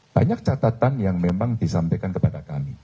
banyak catatan yang memang disampaikan kepada kami